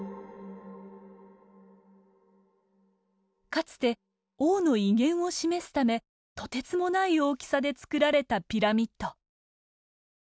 かつて王の威厳を示すためとてつもない大きさで造られたピラミッド。